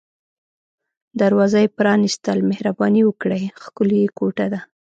دروازه یې پرانیستل، مهرباني وکړئ، ښکلې کوټه ده.